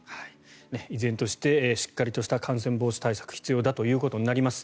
依然としてしっかりとした感染防止対策が必要だということになります。